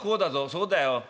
そうだよ